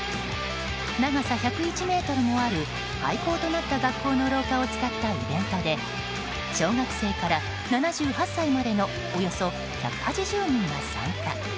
長さ１０１ｍもある廃校となった学校の廊下を使ったイベントで小学生から７８歳までのおよそ１８０人が参加。